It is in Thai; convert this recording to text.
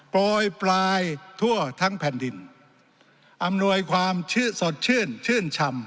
โปรยปลายทั่วทั้งแผ่นดินอำนวยความชื่อสดชื่นชื่นชำ